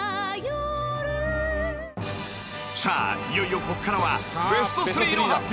［さあいよいよここからはベスト３の発表！］